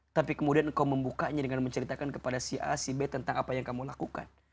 tapi kemudian engkau membukanya dengan menceritakan kepada si a si b tentang apa yang kamu lakukan